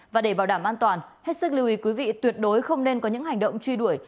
và để bảo đảm an toàn hết sức lưu ý quý vị tuyệt đối không nên có những hành động truy đuổi